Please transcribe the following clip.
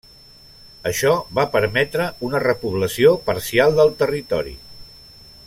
Això va permetre una repoblació parcial del territori.